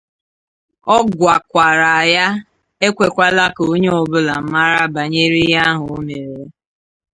Ọ gwakwara ya ekwekwala ka onye ọbụla mara banyere ihe ahụ o mere ya